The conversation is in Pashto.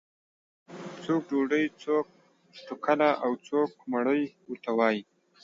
څوک ډوډۍ، څوک ټکله او څوک مړۍ ورته وایي.